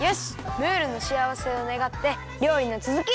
ムールのしあわせをねがってりょうりのつづき！